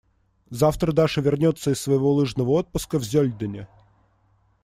Завтра Даша вернется из своего лыжного отпуска в Зёльдене.